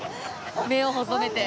目を細めて。